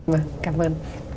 vâng cảm ơn